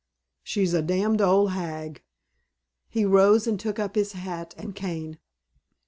"She's a damned old hag." He rose and took up his hat and cane.